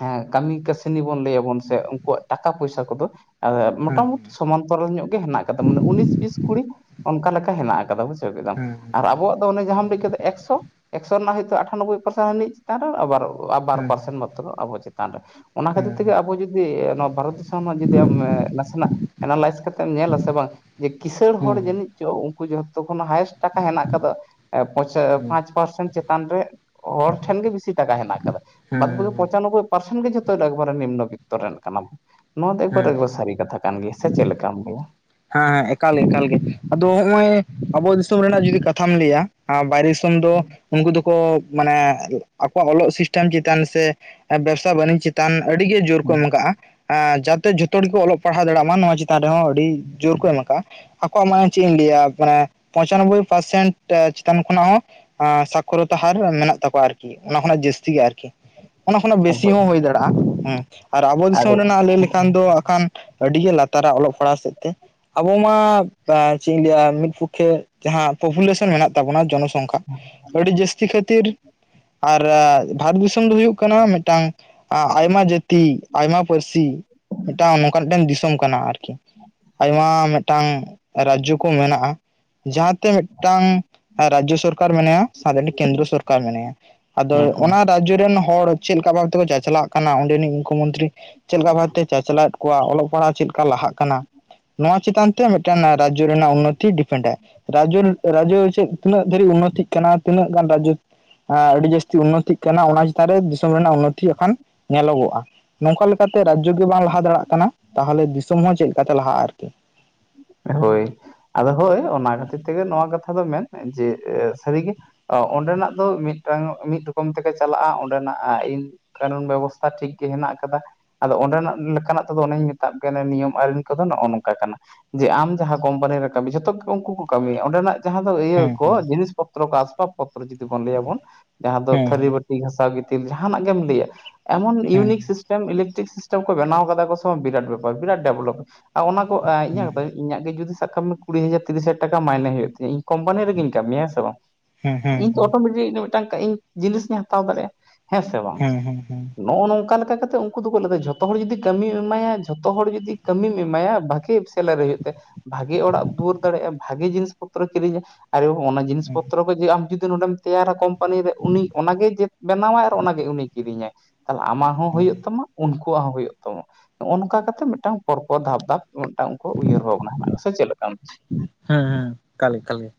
S1: ᱦᱮᱸ ᱠᱟᱹᱢᱤ ᱠᱟᱹᱥᱱᱤ ᱵᱚᱱ ᱞᱟᱹᱭᱟ ᱵᱚᱱ ᱥᱮ ᱩᱱᱠᱩᱣᱟᱜ ᱴᱟᱠᱟ ᱯᱚᱭᱥᱟ ᱠᱚ ᱫᱚ, ᱟᱸ, ᱢᱳᱴᱟᱢᱩᱴᱤ ᱥᱚᱢᱟᱱᱛᱚᱨᱚᱞ ᱧᱚᱜ ᱜᱮ ᱦᱮᱱᱟᱜ ᱠᱟᱫᱟ ᱢᱟᱱᱮ ᱩᱱᱤᱥ ᱵᱤᱥ ᱠᱩᱲᱤ, ᱚᱱᱠᱟ ᱞᱮᱠᱟ ᱦᱮᱱᱟᱜ ᱠᱟᱫᱟ ᱵᱩᱡᱷᱟᱹᱣ ᱠᱮᱫᱟᱢ ᱟᱨ ᱟᱵᱚᱣᱟᱜ ᱫᱚ ᱚᱱᱮ ᱡᱟᱦᱟᱸᱢ ᱞᱟᱹᱭ ᱠᱮᱫᱟ ᱮᱠᱥᱚ ᱮᱠᱥᱚ ᱨᱮᱱᱟᱜ ᱦᱳᱭᱛᱳ ᱟᱴᱷᱟᱱᱚᱵᱵᱚᱭ ᱯᱟᱨᱥᱮᱱ ᱦᱟᱹᱱᱤ ᱪᱮᱛᱟᱱ ᱨᱮ ᱟᱵᱟᱨ ᱟ ᱵᱟᱨ ᱯᱟᱨᱥᱮᱱ ᱢᱟᱛᱨᱚ ᱟᱵᱚ ᱪᱮᱛᱟᱱ ᱨᱮ ᱚᱱᱟ ᱠᱷᱟᱹᱛᱤᱨ ᱛᱮᱜᱮ ᱟᱵᱚ ᱡᱩᱫᱤ ᱱᱚᱣᱟ ᱵᱷᱟᱨᱚᱛ ᱫᱤᱥᱚᱢ ᱨᱮᱱᱟᱜ ᱡᱩᱫᱤ ᱟᱢ ᱱᱟᱥᱮᱱᱟᱜᱼᱼ ᱮᱱᱟᱞᱟᱭᱤᱥ ᱠᱟᱛᱮ ᱮᱢ ᱧᱮᱞᱟ ᱥᱮ ᱵᱟᱝ, ᱡᱮ ᱠᱤᱥᱟᱹᱬ ᱦᱚᱲ ᱡᱟᱹᱱᱤᱡ ᱪᱚ ᱩᱱᱠᱩ ᱡᱷᱚᱛᱚ ᱠᱷᱚᱱᱟᱜ ᱦᱟᱭᱮᱥᱴᱼᱼ ᱴᱟᱠᱟ ᱦᱮᱱᱟᱜ ᱠᱟᱫᱟ ᱯᱟᱭᱥᱮ ᱯᱟᱸᱪ ᱯᱟᱨᱥᱮᱱ ᱪᱮᱛᱟᱱ ᱨᱮ ᱚᱲ ᱴᱷᱮᱱ ᱜᱤ ᱵᱤᱥᱤ ᱴᱟᱠᱟ ᱦᱮᱱᱟᱜ ᱠᱟᱫᱟ᱾ ᱵᱟᱫᱽ ᱵᱟᱠᱤ ᱯᱚᱸᱪᱟᱱᱚᱵᱚᱭ ᱯᱟᱨᱥᱮᱱ ᱜᱮ ᱡᱷᱚᱛᱚ ᱮᱠᱵᱟᱨᱮ ᱱᱤᱢᱱᱚ ᱵᱤᱛᱚᱨ ᱨᱮᱱ ᱠᱟᱱᱟ᱾ ᱱᱚᱣᱟ ᱫᱚ ᱮᱠᱵᱟᱨ ᱮᱠᱵᱟᱨ ᱥᱟᱹᱨᱤ ᱠᱟᱛᱷᱟ ᱠᱟᱱ ᱜᱮᱭᱟ ᱥᱮ ᱪᱮᱫ ᱞᱮᱠᱟᱢ ᱞᱟᱹᱭᱟ?
S2: ᱦᱮᱸ ᱦᱮᱸ ᱮᱠᱟᱞ ᱮᱠᱟᱞ ᱜᱮ ᱟᱫᱚ ᱦᱚᱜ-ᱚᱭ ᱟᱵᱚ ᱫᱤᱥᱚᱢ ᱨᱮᱱᱟᱜ ᱡᱩᱫᱤ ᱠᱟᱛᱷᱟᱢ ᱞᱟᱹᱭᱟ ᱟᱨ ᱵᱟᱭᱨᱮ ᱫᱤᱥᱚᱢ ᱫᱚ ᱩᱱᱠᱩ ᱫᱚᱠᱚ ᱢᱟᱱᱮ ᱟᱠᱚᱣᱟᱜ ᱚᱞᱚᱜ ᱥᱤᱥᱴᱮᱢ ᱪᱮᱛᱟᱱ ᱥᱮ ᱵᱮᱵᱽᱥᱟ ᱵᱟᱱᱤᱡᱽ ᱪᱮᱛᱟᱱ ᱟᱹᱰᱤᱜᱮ ᱡᱳᱨ ᱠᱚ ᱮᱢ ᱠᱟᱜ-ᱟ ᱡᱟᱛᱮ ᱡᱷᱚᱛᱚ ᱦᱚᱲ ᱜᱮᱠᱚ ᱚᱞᱚᱜ ᱯᱟᱲᱦᱟᱣ ᱫᱟᱲᱮᱭᱟᱜ ᱢᱟ ᱱᱚᱣᱟ ᱪᱮᱛᱟᱱ ᱨᱮᱦᱚᱸ ᱟᱹᱰᱤ ᱡᱳᱨ ᱠᱚ ᱮᱢ ᱠᱟᱜᱼᱟ᱾ ᱟᱠᱚᱣᱟᱜ ᱢᱟᱱᱮ ᱪᱮᱫ ᱤᱧ ᱞᱟᱹᱭᱟ, ᱢᱟᱱᱮ ᱯᱚᱧᱪᱟᱱᱚᱵᱵᱳᱭ ᱯᱟᱨᱥᱮᱱᱴ ᱪᱮᱛᱟᱱ ᱠᱷᱚᱱᱟᱜ ᱦᱚᱸ ᱥᱟᱠᱷᱚᱨᱚᱛᱟ ᱦᱟᱨ ᱢᱮᱱᱟᱜ ᱛᱟᱠᱚᱣᱟ ᱟᱨᱠᱤ ᱚᱱᱟ ᱠᱷᱚᱱᱟᱜ ᱡᱟᱹᱥᱛᱤ ᱜᱮ ᱟᱨᱠᱤ᱾ ᱚᱱᱟ ᱠᱷᱚᱱᱟᱜ ᱵᱮᱥᱤ
S1: ᱮᱠᱵᱟᱨᱮ
S2: ᱦᱚᱸ ᱦᱩᱭ ᱫᱟᱲᱮᱭᱟᱜ-ᱟ ᱦᱩᱸ ᱟᱨ ᱟᱵᱚ
S1: ᱟᱫᱚ
S2: ᱫᱤᱥᱚᱢ ᱨᱮᱱᱟᱜ ᱞᱟᱹᱭ ᱞᱮᱠᱷᱟᱱ ᱫᱚ ᱦᱟᱸᱜ ᱠᱷᱟᱱ ᱟᱹᱰᱤᱜᱮ ᱞᱟᱛᱟᱨᱟ ᱚᱞᱚᱜ ᱯᱟᱲᱦᱟᱣᱜ ᱥᱮᱫ ᱛᱮ ᱟᱵᱚ ᱢᱟ ᱪᱮᱫ ᱤᱧ ᱞᱟᱹᱭᱟ ᱢᱤᱫ ᱯᱚᱠᱠᱷᱮ ᱡᱟᱦᱟᱸ ᱯᱚᱯᱩᱞᱮᱥᱚᱱ ᱢᱮᱱᱟᱜ ᱛᱟᱵᱚᱱᱟ ᱡᱚᱱᱚᱥᱚᱝᱠᱷᱟ ᱟᱹᱰᱤ ᱡᱟᱹᱥᱼᱼᱼ ᱪᱤ ᱠᱷᱟᱹᱛᱤᱨ ᱟᱨ ᱵᱷᱟᱴ ᱫᱤᱥᱚᱢ ᱫᱚ ᱦᱩᱭᱩᱜ ᱠᱟᱱᱟ ᱢᱤᱫᱴᱟᱝ ᱟ ᱟᱭᱢᱟ ᱡᱟᱹᱛᱤ ᱟᱭᱢᱟ ᱯᱟᱹᱨᱥᱤ ᱢᱤᱫᱴᱟᱝ ᱱᱚᱝᱠᱟ ᱢᱤᱫᱴᱟᱝ ᱫᱤᱥᱚᱢ ᱠᱟᱱᱟ ᱟᱨᱠᱤ᱾ ᱟᱭᱢᱟ ᱢᱤᱫᱴᱟᱝ ᱨᱟᱡᱽᱡᱚ ᱠᱚ ᱢᱮᱱᱟᱜᱼᱟ ᱡᱟᱦᱟᱸᱛᱮ ᱢᱤᱫᱴᱟᱝ ᱨᱟᱡᱽᱡᱚ ᱥᱚᱨᱠᱟᱨ ᱢᱮᱱᱟᱭᱟ ᱥᱟᱶᱛᱮ ᱢᱤᱫᱴᱟᱝ ᱠᱮᱹᱱᱫᱨᱚ ᱥᱚᱨᱠᱟᱨ ᱢᱮᱱᱟᱭᱟ ᱟᱫᱚ
S1: ᱦᱩᱸ ᱦᱩᱸ
S2: ᱚᱱᱟ ᱨᱟᱡᱽᱡᱚ ᱨᱮᱱ ᱦᱚᱲ ᱪᱮᱫ ᱞᱮᱠᱟ ᱵᱷᱟᱵ ᱛᱮᱠᱚ ᱪᱟᱪᱟᱞᱟᱜ ᱠᱟᱱᱟ ᱚᱸᱰᱮᱱᱤᱡ ᱢᱩᱠᱷᱚ ᱢᱩᱛᱨᱤ ᱪᱮᱫ ᱞᱮᱠᱟ ᱵᱷᱟᱵᱛᱮ ᱪᱟᱪᱞᱟᱣᱮᱫ ᱠᱚᱣᱟ ᱚᱞᱚᱜ ᱯᱟᱲᱦᱟᱜ ᱪᱮᱫᱠᱟ ᱞᱟᱦᱟᱜ ᱠᱟᱱᱟ, ᱱᱚᱣᱟ ᱪᱮᱛᱟᱱ ᱛᱮ ᱢᱤᱫᱴᱟᱝ ᱨᱟᱡᱽᱡᱚ ᱨᱮᱱᱟᱜ ᱩᱱᱱᱚᱛᱤ ᱰᱤᱯᱷᱮᱱᱰᱟᱭ ᱨᱟᱡᱽᱡᱚ ᱨᱟᱡᱽᱡᱚ ᱪᱮᱫ ᱛᱤᱱᱟᱹᱜ ᱫᱷᱟᱹᱨᱤᱡ ᱩᱱᱚᱛᱤᱜ ᱠᱟᱱᱟ ᱛᱤᱱᱟᱹᱜ ᱜᱟᱱ ᱨᱟᱡᱽᱡᱚ ᱟᱹᱰᱤ ᱡᱟᱹᱟᱥᱛᱤ ᱩᱱᱱᱚᱛᱤᱜ ᱠᱟᱱᱟ ᱚᱱᱟ ᱪᱮᱛᱟᱱᱨᱮ ᱫᱤᱥᱚᱢ ᱨᱮᱱᱟᱜ ᱩᱱᱚᱛᱤᱠᱷᱟᱱ ᱧᱮᱞᱚᱜᱚᱜᱼᱟ᱾ ᱱᱚᱝᱠᱟ ᱞᱮᱠᱟᱛᱮ ᱨᱟᱡᱽᱡᱚ ᱜᱮ ᱵᱟᱝ ᱞᱟᱦᱟ ᱫᱟᱲᱮᱭᱟᱜ ᱠᱟᱱᱟ, ᱛᱟᱦᱚᱞᱮ ᱫᱤᱥᱚᱢ ᱦᱚᱸ ᱪᱮᱫᱠᱟ ᱛᱮ ᱞᱟᱦᱟᱜ-ᱟ ᱟᱨᱠᱤ᱾
S1: ᱦᱳᱭ, ᱟᱫᱚ ᱦᱳᱭ ᱚᱱᱟ ᱠᱷᱟᱹᱛᱤᱨ ᱛᱮᱜᱮ ᱱᱚᱣᱟ ᱠᱟᱛᱷᱟ ᱫᱚ ᱢᱮᱱ ᱡᱮ ᱥᱟᱹᱨᱤᱜᱮ ᱚᱸᱰᱮᱱᱟᱜ ᱫᱚ ᱢᱤᱫᱴᱟᱝ ᱢᱤᱫ ᱨᱚᱠᱚᱢ ᱛᱮᱠᱚᱮ ᱪᱟᱞᱟᱜ-ᱟ ᱚᱸᱰᱮᱱᱟᱜ ᱟ-ᱤᱱ᱾ ᱠᱟᱹᱱᱩᱱ ᱵᱮᱵᱚᱥᱛᱷᱟ ᱴᱷᱤᱠ ᱜᱮ ᱦᱮᱱᱟᱜ ᱟᱠᱟᱫᱟ᱾ ᱟᱫᱚ ᱚᱸᱰᱮᱱᱟᱜ ᱞᱮᱠᱟᱱᱟᱜ ᱛᱮᱫᱚ ᱚᱱᱮᱧ ᱢᱮᱛᱟᱜ ᱵᱮᱱᱟ ᱱᱤᱭᱚᱢ ᱟᱹᱨᱤ ᱠᱚᱫᱚ ᱱᱚᱜ-ᱚ ᱱᱚᱝᱠᱟ ᱠᱟᱱᱟ᱾ ᱡᱮ ᱟᱢ ᱡᱟᱦᱟᱸ ᱠᱚᱳᱢᱯᱟᱱᱤ ᱨᱮ ᱠᱟᱹᱢᱤ, ᱡᱷᱚᱛᱚ ᱜᱮ ᱩᱱᱠᱩ ᱠᱚ ᱠᱟᱹᱢᱤᱭᱟ ᱚᱸᱰᱮᱱᱟᱜ ᱡᱟᱦᱟᱸ ᱫᱚ ᱤᱭᱟᱹ
S2: ᱦᱮᱸ ᱦᱮᱸ
S1: ᱠᱚ ᱡᱤᱱᱤᱥᱼᱼ ᱯᱚᱛᱨ ᱠᱚ ᱟᱥᱵᱟᱵ ᱯᱚᱛᱨᱚ ᱡᱩᱫᱤ ᱵᱚᱱ ᱞᱟᱹᱭᱟᱵᱚᱱ ᱡᱟᱦᱟᱸ ᱫᱚ
S2: ᱦᱮᱸ
S1: ᱛᱷᱟᱹᱨᱤ ᱵᱟᱹᱴ ᱴᱤ ᱜᱷᱟᱸᱥᱟᱣ ᱜᱤᱛᱤᱞ ᱡᱟᱸᱦᱟᱱᱟᱜ ᱜᱮᱢ ᱞᱟᱹᱭᱟ ᱮᱢᱚᱱ
S2: ᱦᱮᱸ
S1: unique system electric system ᱠᱚ ᱵᱮᱱᱟᱣ ᱠᱟᱫᱟ ᱠᱚ ᱥᱚᱵ ᱵᱤᱨᱟᱴ ᱵᱮᱯᱟᱨ, ᱵᱤᱨᱟᱴ ᱰᱮᱵᱷᱞᱚᱯ ᱟᱨ ᱚᱱᱟ ᱠᱚ ᱤᱧᱟᱹᱜ- ᱠᱟᱛᱷᱟ
S2: ᱦᱮᱸ
S1: ᱤᱧᱟᱹᱜ ᱜᱮ ᱡᱩᱫᱤ ᱥᱟᱵ ᱠᱟᱜ ᱢᱮ ᱠᱩᱲᱤ ᱦᱟᱡᱟᱨ ᱛᱤᱨᱤᱥ ᱦᱟᱡ ᱴᱠᱟ ᱢᱟᱭᱱᱮ ᱦᱩᱭᱩᱜ ᱛᱤᱧᱟ ᱤᱧ ᱠᱢᱯᱟᱱᱤ ᱨᱮᱜᱤᱧ ᱠᱟᱹᱢᱤᱭᱟ ᱦᱮᱸ ᱥᱮ ᱵᱟᱝ᱾
S2: ᱦᱮᱸ ᱦᱮᱸ ᱦᱮᱸ
S1: ᱤᱧ ᱛᱚ ᱚᱴᱳᱢᱮᱴᱤᱠ ᱢᱤᱫᱴᱟᱝ ᱤᱧ ᱡᱤᱱᱤᱥ ᱤᱧ ᱦᱟᱛᱟᱣ ᱫᱟᱲᱮᱭᱟᱜ-ᱟ ᱦᱮᱸ ᱥᱮ ᱵᱟᱝ?
S2: ᱦᱮᱸ ᱦᱮᱸ ᱦᱮᱸ ᱦᱮᱸ
S1: ᱱᱚᱜ-ᱚ ᱱᱚᱝᱠᱟ ᱞᱮᱠᱟ ᱠᱟᱛᱮ ᱩᱱᱠᱩ ᱫᱚᱠᱚ ᱞᱟᱹᱭᱟ ᱫᱟ ᱡᱷᱚᱛᱚ ᱦᱚᱲ ᱡᱩᱫᱤ ᱠᱟᱹᱢᱤᱢ ᱮᱢᱟᱭᱟ ᱡᱷᱚᱛᱚ ᱦᱚᱲ ᱡᱩᱫᱤ ᱠᱟᱹᱢᱤᱢ ᱮᱢᱟᱭᱟ ᱵᱷᱟᱜᱤᱼ ᱥᱮᱞᱟᱨᱤ ᱦᱩᱭᱩᱜ ᱛᱟᱭ ᱵᱷᱟᱜᱮᱹ ᱚᱲᱟᱜ ᱫᱩᱣᱟᱹᱨ ᱫᱟᱲᱮᱭᱟᱜᱼᱟ, ᱵᱷᱟᱜᱤ ᱡᱤᱱᱤᱥ ᱯᱚᱛᱨᱚ ᱠᱤᱨᱤᱧᱟ ᱟᱨᱮᱹᱵᱟᱵ ᱚᱱᱟ ᱡᱤᱱᱤᱥ
S2: ᱦᱮᱸ
S1: ᱯᱚᱛᱨᱚ ᱱᱚᱜ-ᱚᱭ ᱡᱮᱹ ᱟᱢ ᱡᱩᱫᱤ ᱱᱚᱰᱮᱢ ᱛᱮᱭᱟᱨᱟ ᱠᱳᱢᱯᱟᱱᱤ ᱨᱮ ᱩᱱᱤ ᱚᱱᱟᱜᱮ ᱡᱮ ᱵᱮᱱᱟᱣᱟᱭ ᱟᱨ ᱚᱱᱟᱜᱮ ᱩᱱᱤ ᱠᱤᱨᱤᱧᱟᱭ᱾ ᱛᱟᱦᱞᱮ ᱟᱢᱟᱜ ᱦᱚᱸ ᱦᱩᱭᱩᱜ ᱛᱟᱢᱟ ᱩᱱᱠᱩᱣᱟᱜ ᱦᱚᱸ ᱦᱩᱭᱩᱜ ᱛᱟᱢᱟ, ᱱᱚᱜᱼᱚ ᱱᱚᱝᱠᱟ ᱠᱟᱛᱮᱜ ᱢᱤᱫᱴᱟᱝ ᱯᱚᱨ ᱯᱚᱨ ᱫᱷᱟᱯ ᱫᱷᱟᱯᱼ ᱢᱤᱫᱴᱟᱝ ᱩᱝᱠᱩ ᱩᱭᱦᱟᱹᱨ ᱵᱷᱟᱵᱽᱱᱟ ᱦᱮᱱᱟᱜ ᱥᱮ ᱪᱮᱫᱞᱮᱠᱟᱱ?
S2: ᱦᱮᱸ ᱦᱮᱸ ᱮᱠᱟᱞ ᱮᱠᱟᱞ ᱜᱮ᱾